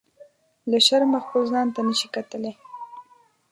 له شرمه خپل ځان ته نه شي کتلی.